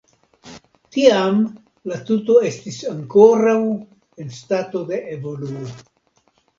Tiam la tuto estis ankoraŭ en stato de evoluo.